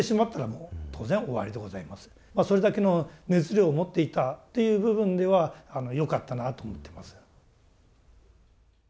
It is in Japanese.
それだけの熱量を持っていたという部分ではよかったなと思ってます。